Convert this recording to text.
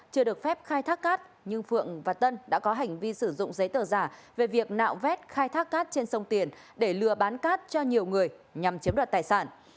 chưa được phép khai thác cát nhưng phượng và tân đã có hành vi sử dụng giấy tờ giả về việc nạo vét khai thác cát trên sông tiền để lừa bán cát cho nhiều người nhằm chiếm đoạt tài sản